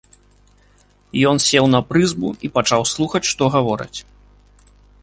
Ён сеў на прызбу і пачаў слухаць, што гавораць.